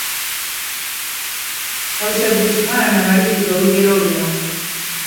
Wabisegguusi mwana, maliriza olugero luno.